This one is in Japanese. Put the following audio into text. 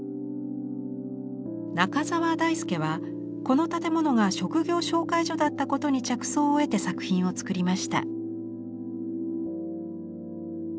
中澤大輔はこの建物が職業紹介所だったことに着想を得て作品を作りました。